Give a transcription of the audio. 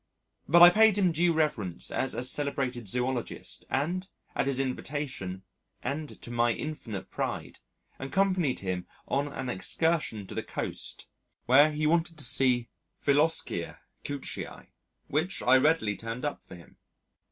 But I paid him due reverence as a celebrated zoologist and at his invitation [and to my infinite pride] accompanied him on an excursion to the coast, where he wanted to see Philoscia Couchii, which I readily turned up for him.